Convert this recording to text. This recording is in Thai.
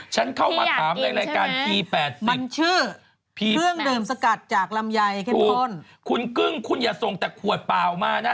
ฉันเข้ามาถามในรายการที่๘๐มันชื่อพีซแมสคุณกึ้งคุณอย่าส่งแต่ขวดเปล่ามานะฮะ